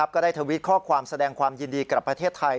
ก็ได้ทวิตข้อความแสดงความยินดีกับประเทศไทย